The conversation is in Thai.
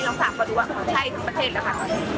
ลองครับผ่านดูว่าเล็กทั่วประเทศล่ะค่ะ